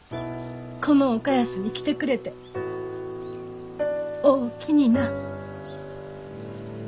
この岡安に来てくれておおきにな。